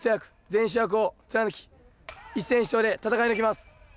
・全員主役」を貫き一戦必勝で戦い抜きます。